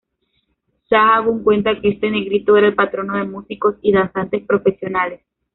Sahagún cuenta que este Negrito era el patrono de músicos y danzantes profesionales.